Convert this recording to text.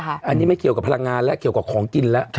อันนี้ไม่เกี่ยวกับพลังงานแล้วเกี่ยวกับของกินแล้ว